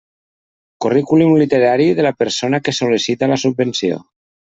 Currículum literari de la persona que sol·licita la subvenció.